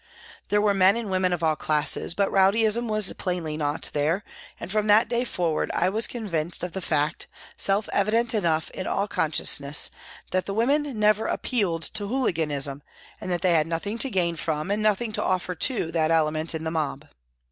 There were men and women of all classes, but rowdyism was plainly not there, and from that day forward I was convinced of the fact, self evident enough in all conscience, that the women never appealed to hooliganism and that they had nothing to gain from and nothing to offer to that element in the mob.